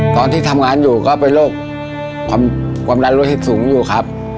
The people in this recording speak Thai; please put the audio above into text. ตอนที่ทำงานอยู่ก็เป็นโรคความดันโลหิตสูงอยู่ครับ